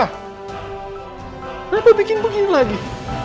kenapa bikin begini lagi